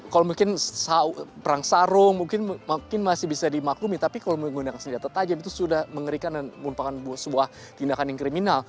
kalau mungkin perang sarung mungkin masih bisa dimaklumi tapi kalau menggunakan senjata tajam itu sudah mengerikan dan merupakan sebuah tindakan yang kriminal